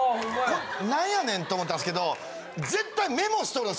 これなんやねんと思ったんですけど。